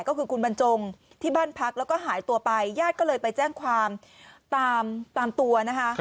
ก็คือคุณบรรจงที่บ้านพักแล้วก็หายตัวไปญาติก็เลยไปแจ้งความตามตัวนะคะ